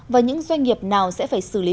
và những doanh nghiệp nào sẽ phải xử lý